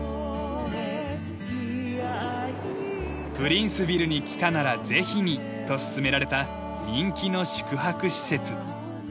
プリンスヴィルに来たならぜひにとすすめられた人気の宿泊施設。